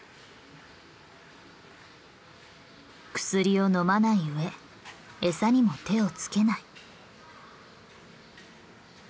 薬を飲まない上餌にも手を付けない。